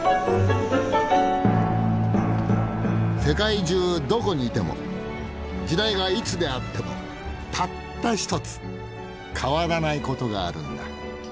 世界中どこにいても時代がいつであってもたった一つ変わらないことがあるんだ。